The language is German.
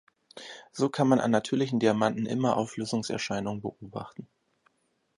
So kann man an natürlichen Diamanten immer Auflösungserscheinungen beobachten.